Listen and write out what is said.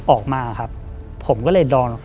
ออกมาครับผมก็เลยดอน